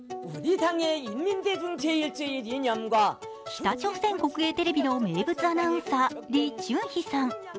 北朝鮮国営テレビの名物アナウンサー、リ・チュンヒさん。